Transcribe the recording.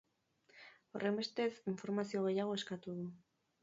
Horrenbestez, informazio gehiago eskatu du.